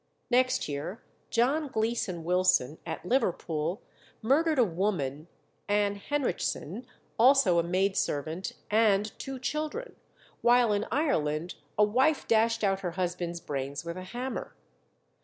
Next year John Gleeson Wilson, at Liverpool, murdered a woman, Ann Henrichson, also a maidservant and two children; while in Ireland a wife dashed out her husband's brains with a hammer.